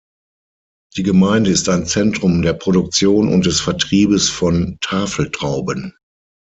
Die Gemeinde ist ein Zentrum der Produktion und des Vertriebes von Tafeltrauben.